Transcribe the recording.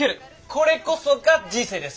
これこそが人生です！